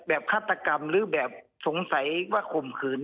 ฆาตกรรมหรือแบบสงสัยว่าข่มขืน